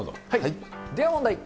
では問題。